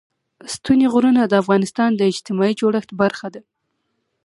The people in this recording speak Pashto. ستوني غرونه د افغانستان د اجتماعي جوړښت برخه ده.